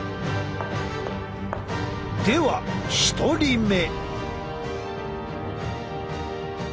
では１人目。